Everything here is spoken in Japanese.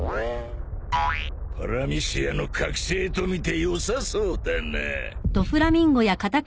パラミシアの覚醒とみてよさそうだな。